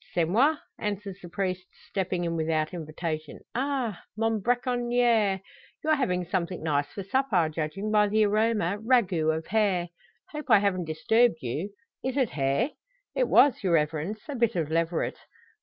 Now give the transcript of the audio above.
"C'est moi!" answers the priest, stepping in without invitation. "Ah! mon bracconier! you're having something nice for supper. Judging by the aroma ragout of hare. Hope I haven't disturbed you. Is it hare?" "It was, your Reverence, a bit of leveret."